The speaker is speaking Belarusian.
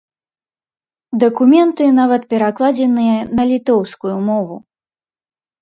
Дакументы нават перакладзеныя на літоўскую мову.